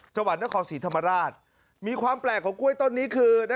จังหวัดนครศรีธรรมราชมีความแปลกของกล้วยต้นนี้คือ